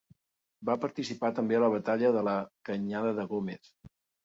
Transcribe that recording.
Va participar també a la batalla de la Canyada de Gómez.